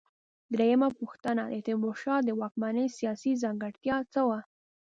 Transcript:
درېمه پوښتنه: د تیمورشاه د واکمنۍ سیاسي ځانګړتیا څه وه؟